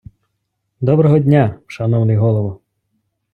Доброго дня, шановний голово!